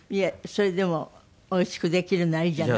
それでもおいしくできるならいいじゃない。